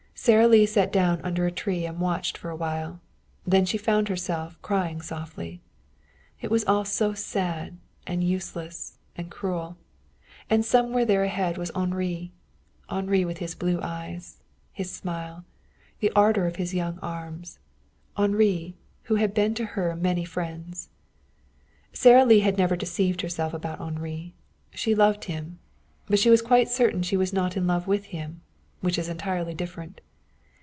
Sara Lee sat down under a tree and watched for a while. Then she found herself crying softly. It was all so sad, and useless, and cruel. And somewhere there ahead was Henri, Henri with his blue eyes, his smile, the ardor of his young arms Henri, who had been to her many friends. Sara Lee had never deceived herself about Henri. She loved him. But she was quite certain she was not in love with him, which is entirely different.